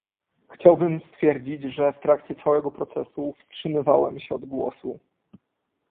Chciałbym stwierdzić, że w trakcie całego procesu wstrzymywałem się od głosu